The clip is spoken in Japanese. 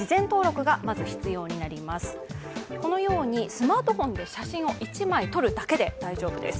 スマートフォンで写真を１枚撮るだけで大丈夫です。